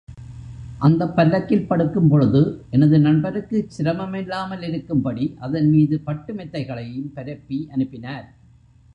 அந்தப் பல்லக்கில் படுக்கும்பொழுது, எனது நண்பருக்குச் சிரமமில்லாமலிருக்கும் படி, அதன்மீது பட்டு மெத்தைகளையும் பரப்பி அனுப்பினார்!